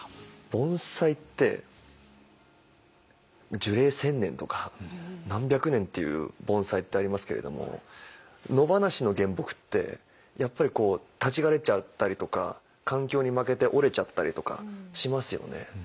盆栽って樹齢１，０００年とか何百年っていう盆栽ってありますけれども野放しの原木ってやっぱりこう立ち枯れちゃったりとか環境に負けて折れちゃったりとかしますよね。